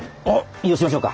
移動しましょうか。